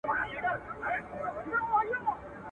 اوس رستم غوندي ورځم تر كندوگانو.